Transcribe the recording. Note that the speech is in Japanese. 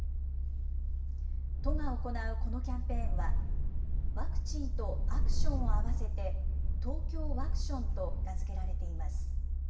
都が行うこのキャンペーンは、ワクチンとアクションを合わせて、ＴＯＫＹＯワクションと名付けられています。